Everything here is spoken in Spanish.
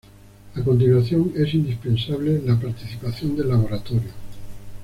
A continuación es indispensable la participación del laboratorio.